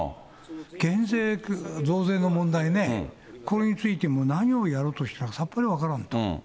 減税、増税の問題ね、これについても、何をやろうとしたかさっぱり分からんと。